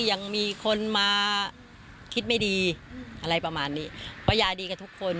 ยังมีคนมาคิดไม่ดีอะไรประมาณนี้เพราะยายดีกับทุกคน